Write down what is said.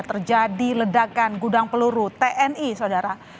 terjadi ledakan gudang peluru tni saudara